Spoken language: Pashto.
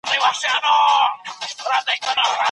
هغه تېره اونۍ خپل کتاب چاپ کړ.